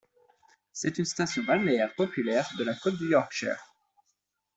C'est une station balnéaire populaire de la côte du Yorkshire.